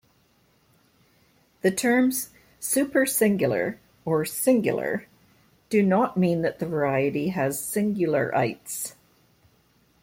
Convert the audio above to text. The terms "supersingular" or "singular" do not mean that the variety has singularites.